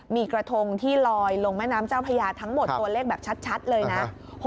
มีกระทงที่ลอยลงแม่น้ำเจ้าพญาทั้งหมดตัวเลขแบบชัดเลยนะ